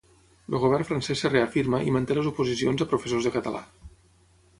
El govern francès es reafirma i manté les oposicions a professors de català.